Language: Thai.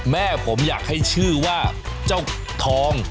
แม่ผมอยากให้ชื่อว่าเจ้าทอง